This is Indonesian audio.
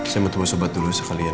saya mau coba sobat dulu sekalian